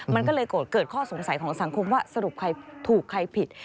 มันก็เลยเกิดข้อสงสัยของสังคมว่าสรุปใครถูกใครผิด